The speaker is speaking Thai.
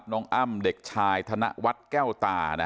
น้องอ้ำเด็กชายธนวัตรแก้วตา